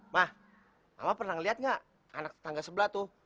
ma mama pernah liat gak anak tangga sebelah tuh